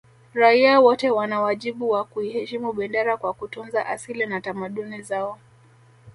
Raia wote wana wajibu wa kuiheshimu bendera kwa kutunza asili na tamaduni zao